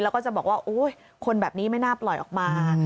แล้วก็จะบอกว่าโอ๊ยคนแบบนี้ไม่น่าปล่อยออกมา